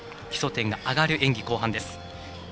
基礎点が上がる演技後半です。